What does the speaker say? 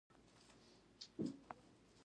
آیا د ریل پټلۍ لرو؟